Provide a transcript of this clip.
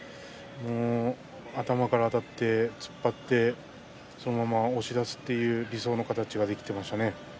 頭からあたって突っ張ってそのまま押し出すという理想の形ができていましたね。